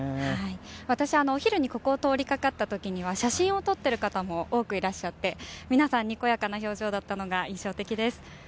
私、お昼にここを通りがかった時には写真を撮ってる方も多くいらっしゃって皆さんにこやかな表情だったのが印象的です。